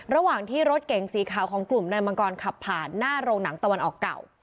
ระหว่างที่รถเก๋งสีขาวของกลุ่มนายมังกรขับผ่านหน้าโรงหนังตะวันออกเก่า